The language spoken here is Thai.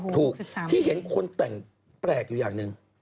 ถูกที่เห็นคนแต่งแปลกอยู่อย่างหนึ่ง